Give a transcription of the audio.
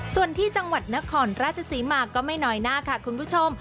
ส่วนที่จังหวัดนครราชศรีมาก็ไม่น้อยหน้าค่ะคุณผู้ชม